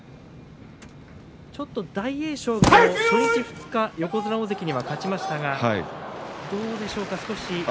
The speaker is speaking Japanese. ちょっと大栄翔が初日、二日横綱大関には勝ちましたがどうでしょうか、少し。